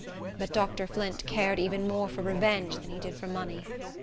But Dr. Flint cared even more for revenge than he did for money.